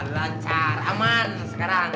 lancar aman sekarang